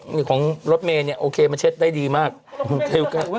ทีพูดแบบนี้รู้อย่างไร